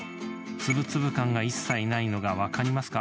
粒々感が一切ないのが分かりますか？